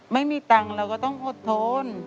ไม่มีตังค์เราก็ต้องอดทน